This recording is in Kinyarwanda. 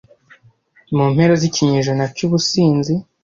mu mpera z'ikinyejana cy'ubusinzi